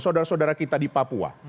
saudara saudara kita di papua